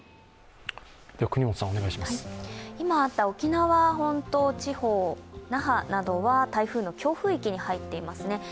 今あった沖縄本島地方、那覇などは台風の強風域に入っていますね。